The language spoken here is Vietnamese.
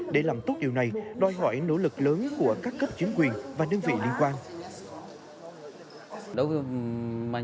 để làm tốt điều này đòi hỏi nỗ lực lớn của các cấp chính quyền và đơn vị liên quan